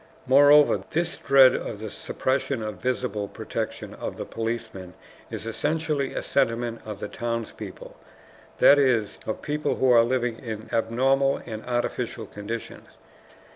Moreover this dread of the suppression of the visible protection of the policeman is essentially a sentiment of townspeople, that is, of people who are living in abnormal and artificial conditions.